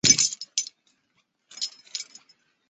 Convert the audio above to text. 所有亚洲羽毛球联合会辖下的会员都具有参赛资格。